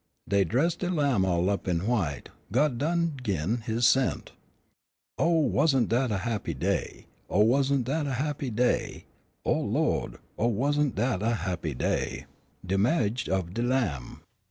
Dey dressed de Lamb all up in white, God done gin His 'sent. Oh, wasn't dat a happy day, Oh, wasn't dat a happy day, Good Lawd, Oh, wasn't dat a happy day, De ma'ige of de Lamb!"